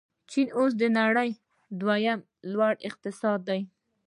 چین اوس د نړۍ دویم لوی اقتصاد دی.